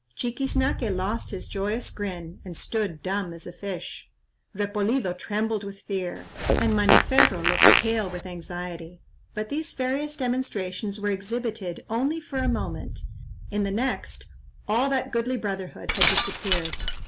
Chiquiznaque lost his joyous grin, and stood dumb as a fish; Repolido trembled with fear, and Maniferro looked pale with anxiety. But these various demonstrations were exhibited only for a moment,—in the next, all that goodly brotherhood had disappeared.